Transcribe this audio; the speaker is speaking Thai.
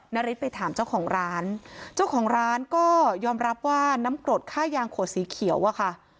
นาริสไปถามเจ้าของร้านเจ้าของร้านก็ยอมรับว่าน้ำกรดค่ายางขวดสีเขียวอะค่ะ